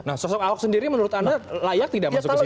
nah sosok ahok sendiri menurut anda layak tidak masuk ke situ